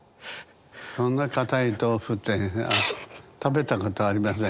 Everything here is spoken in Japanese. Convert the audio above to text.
そんなかたい豆腐って食べたことありません。